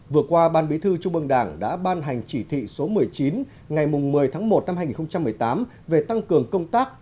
vừa qua ban bí thư trung ương đảng đã ban hành chỉ thị số một mươi chín ngày một mươi tháng một năm hai nghìn một mươi tám về tăng cường công tác